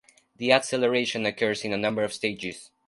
The acceleration occurs in a number of stages.